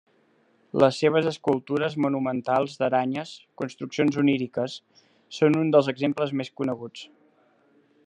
Les seves escultures monumentals d'aranyes, construccions oníriques, són un dels exemples més coneguts.